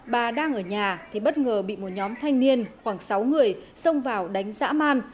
bà đang ở nhà thì bất ngờ bị một nhóm thanh niên khoảng sáu người xông vào đánh giã man